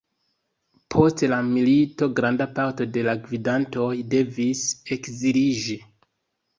Post la milito granda parto de la gvidantoj devis ekziliĝi.